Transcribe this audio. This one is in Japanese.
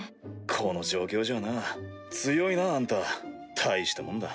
この状況じゃあな強いなあんた大したもんだ。